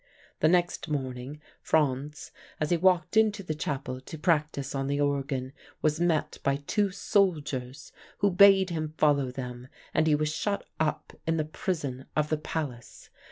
"The next morning Franz, as he walked into the chapel to practice on the organ, was met by two soldiers, who bade him follow them, and he was shut up in the prison of the palace.